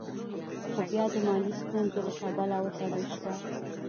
خو بيا د مالي ستونزو له کبله وتړل شوه.